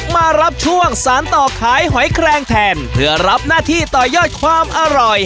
มารับช่วงสารต่อขายหอยแครงแทนเพื่อรับหน้าที่ต่อยอดความอร่อย